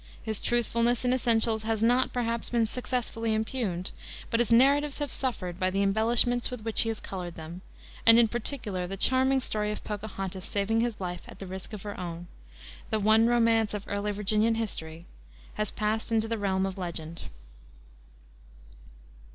His truthfulness in essentials has not, perhaps, been successfully impugned, but his narratives have suffered by the embellishments with which he has colored them, and, in particular, the charming story of Pocohontas saving his life at the risk of her own the one romance of early Virginian history has passed into the realm of legend.